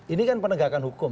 ini kan penegakan hukum